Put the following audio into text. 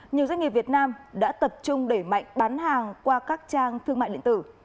nhiều doanh nghiệp việt nam đã tập trung đẩy mạnh bán hàng qua các trang thương mại điện tử